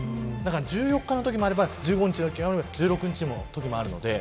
１４日のときもあれば１５日のときもあれば１６日のときもある。